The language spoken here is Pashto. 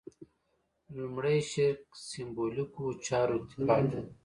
لومړي شرک سېمبولیکو چارو اکتفا کوي.